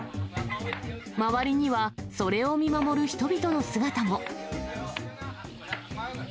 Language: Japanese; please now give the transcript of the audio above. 周りにはそれを見守る人々の姿も。